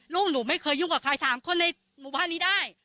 ลูกหนูไม่เคยยุ่งกับใครถามคนในหมู่บ้านนี้ได้